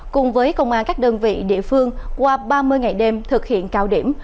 cùng với công an các đơn vị địa phương qua ba mươi ngày đêm thực hiện cao điểm